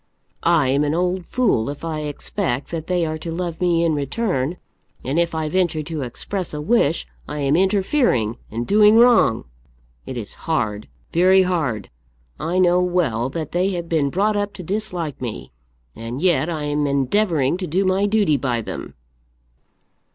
I am an old fool if I expect that they are to love me in return, and if I venture to express a wish I am interfering and doing wrong! It is hard, very hard. I know well that they have been brought up to dislike me, and yet I am endeavouring to do my duty by them."